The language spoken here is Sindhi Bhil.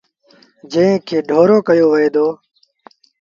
جݩهݩ کي ڍورو ڪهيو وهي دو۔